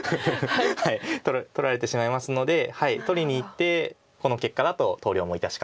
取られてしまいますので取りにいってこの結果だと投了も致し方なしです。